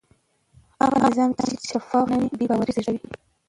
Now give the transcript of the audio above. هغه نظام چې شفاف نه وي بې باوري زېږوي